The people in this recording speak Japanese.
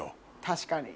確かに。